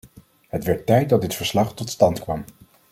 Het werd tijd dat dit verslag tot stand kwam.